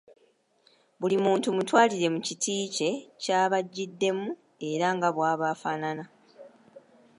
Buli muntu mutwalire mu kiti kye ky’aba ajjiddemu era nga bw’aba afaanana.